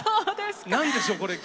何でしょうこれ。